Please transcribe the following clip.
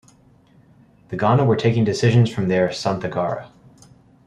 The Gana were taking decisions from their Santhagara.